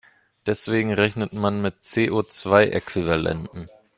Deswegen rechnet man mit CO-zwei-Äquivalenten.